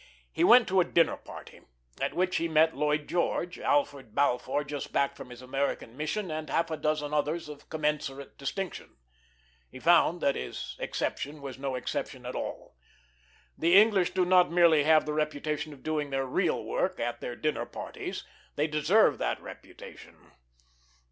He went to a dinner party, at which he met Lloyd George, Arthur Balfour, just back from his American mission, and half a dozen others of commensurate distinction. He found that his exception was no exception at all. The English do not merely have the reputation of doing their real work at their dinner parties they deserve that reputation.